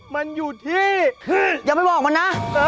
มันอยู่ที่อย่าไปบอกมันนะ